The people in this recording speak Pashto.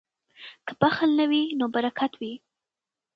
که بخل نه وي نو برکت وي.